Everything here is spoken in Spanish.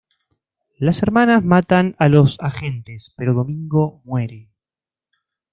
Las hermanas matan a los agentes, pero Domingo muere.